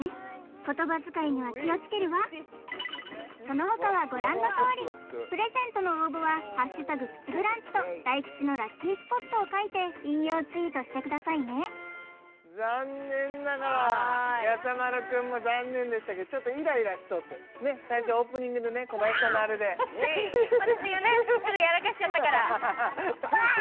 言葉遣いには気をつけるわそのほかはご覧のとおりプレゼントの応募は「＃プチブランチ」と大吉のラッキースポットを書いて引用ツイートしてくださいね残念ながらやさ丸くんも残念でしたけどちょっとイライラしそうって最初オープニングで小林さんのあれで私がねちょっとやらかしちゃったからバー！